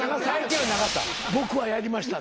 僕はやりました。